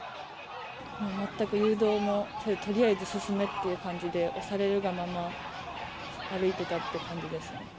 全く誘導も、とりあえず進めっていう感じで、押されるがまま歩いてたって感じですね。